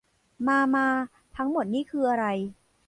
มา มา ทั้งหมดนี่คืออะไร